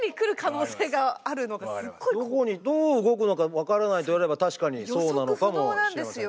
クモってどこにどう動くのか分からないと言われれば確かにそうなのかもしれませんね。